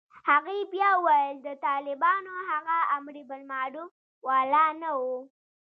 هغې بيا وويل د طالبانو هغه امربالمعروف والا نه و.